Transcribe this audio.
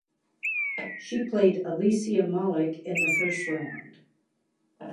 She played Alicia Molik in the first round.